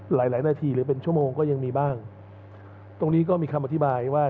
หลายหลายนาทีหรือเป็นชั่วโมงก็ยังมีบ้างตรงนี้ก็มีคำอธิบายว่า